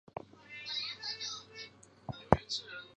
红湖县是美国明尼苏达州西北部的一个县。